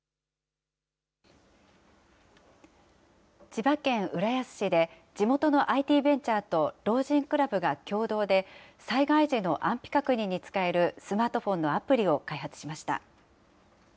千葉県浦安市で地元のＩＴベンチャーと老人クラブが共同で、災害時の安否確認に使えるスマートフォンのアプリを開発しました。